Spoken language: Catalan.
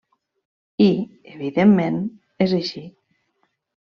I, evidentment, és així.